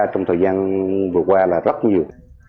trong thời gian vừa qua là rất nhiều